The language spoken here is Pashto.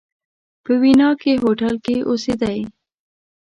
په ویانا کې هوټل کې اوسېدی.